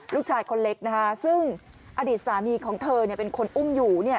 ลูกชายคนเล็กนะคะซึ่งอดีตสามีของเธอเป็นคนอุ้มอยู่